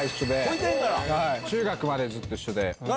中学までずっと一緒で。